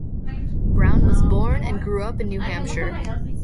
Brown was born and grew up in New Hampshire.